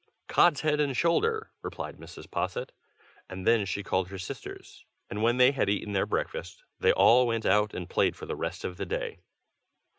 "Cod's head and shoulder!" replied Mrs. Posset. "And then she called her sisters; and when they had eaten their breakfast, they all went out and played for the rest of the day.